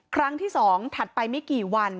ครั้งที่๒ถัดไปไม่กี่วัน